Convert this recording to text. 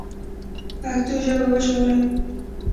پښتو ژبه وژغورئ